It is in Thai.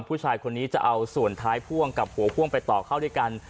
ผู้ชายคนนี้จะเอาส่วนท้ายพ่วงกับหัวพ่วงไปต่อเข้าด้วยกัน